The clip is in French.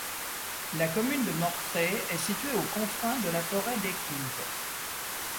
La commune de Mortrée est située aux confins de la forêt d'Écouves.